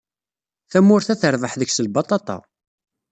Tamurt-a terbeḥ deg-s lbaṭaṭa.